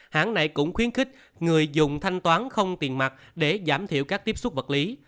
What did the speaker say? hãng này cũng khuyến khích người dùng thanh toán không tiền mặt để giảm thiểu các tiếp xúc vật lý